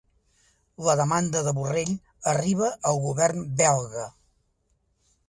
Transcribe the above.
La demanda de Borrell arriba al govern Belga